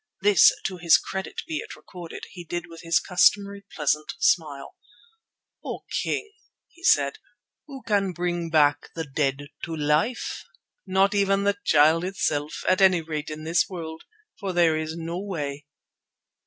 This, to his credit be it recorded, he did with his customary pleasant smile. "O King," he said, "who can bring the dead back to life? Not even the Child itself, at any rate in this world, for there is no way."